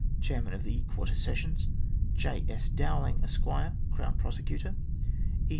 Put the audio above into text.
Chairman of Quarter Sessions ; J. S. Dowling, Esq., Crown Prosecutor ; E.